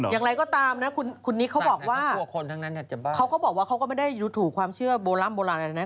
อย่างไรก็ตามนะคุณนิกเขาบอกว่าเขาก็บอกว่าเขาก็ไม่ได้ดูถูกความเชื่อโบร่ำโบราณอะไรนะ